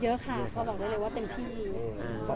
เยอะค่ะเวลาว่าเต็มที่